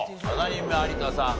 ７人目有田さん